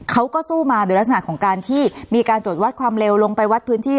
เขาก็สู้มาโดยลักษณะของการที่มีการตรวจวัดความเร็วลงไปวัดพื้นที่